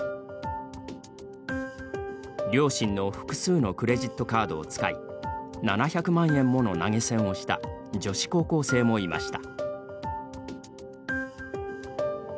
両親の複数のクレジットカードを使い７００万円もの投げ銭をした女子高校生もいました。